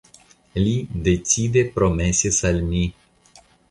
Li decide promesis al mi.